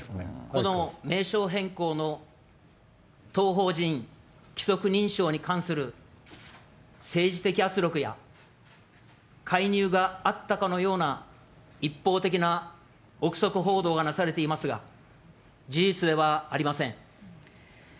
この名称変更の当法人規則認証に関する政治的圧力や、介入があったかのような一方的な臆測報道がなされていますが、事実ではありません。